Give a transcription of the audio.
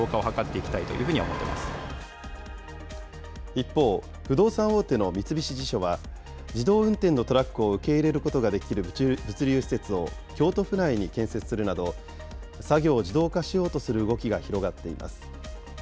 一方、不動産大手の三菱地所は、自動運転のトラックを受け入れることができる物流施設を京都府内に建設するなど、作業を自動化しようとする動きが広がっています。